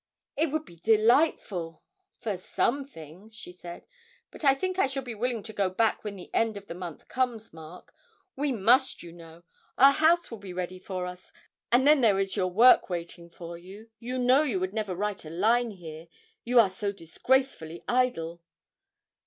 'It would be delightful, for some things,' she said, 'but I think I shall be willing to go back when the end of the month comes, Mark; we must, you know; our house will be ready for us, and then there is your work waiting for you, you know you would never write a line here, you are so disgracefully idle!'